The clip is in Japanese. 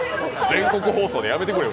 全国放送でやめてくれ。